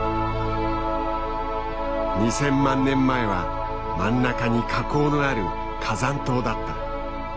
２，０００万年前は真ん中に火口のある火山島だった。